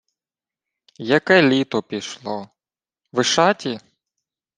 — Яке літо пішло... Вишаті?